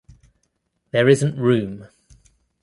There isn't room.